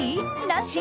なし？